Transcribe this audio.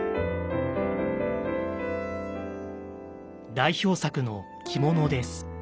代表作の着物です。